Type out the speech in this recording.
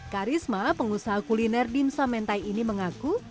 karisma pengusaha kuliner dimsum mentai ini mengaku